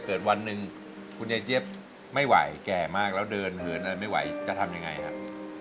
วันหนึ่งคุณยายเจี๊ยบไม่ไหวแก่มากแล้วเดินเหินอะไรไม่ไหวจะทำยังไงครับ